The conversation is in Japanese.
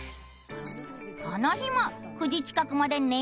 この日も９時近くまで。